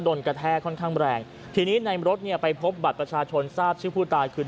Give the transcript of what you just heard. กระแทกค่อนข้างแรงทีนี้ในรถเนี่ยไปพบบัตรประชาชนทราบชื่อผู้ตายคือ